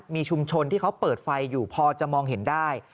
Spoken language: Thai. มีชุมชนที่เขาเปิดไฟอยู่พอจะมองเห็นได้